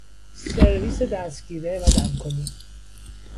سرویس دستگیره و دمکنی